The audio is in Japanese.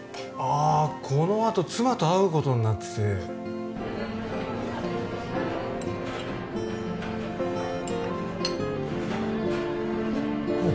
あこのあと妻と会うことになってておっ